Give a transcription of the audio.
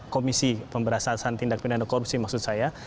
komisi pemberasasan tindak pidana korupsi maksud saya